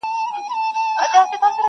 اوس نه منتر کوي اثر نه په مُلا سمېږي -